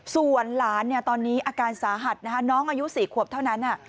ส่วนหลานตอนนี้อาการสาหัสนะคะน้องอายุ๔ขวบเท่านั้น